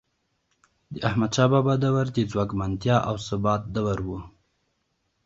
د احمدشاه بابا دور د ځواکمنتیا او ثبات دور و.